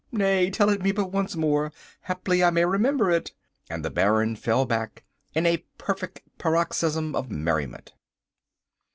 —nay, tell it me but once more, haply I may remember it"—and the Baron fell back in a perfect paroxysm of merriment.